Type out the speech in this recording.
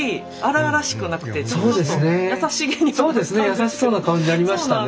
優しそうな顔になりましたね。